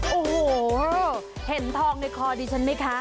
โอ้โหเห็นทองในคอดิฉันไหมคะ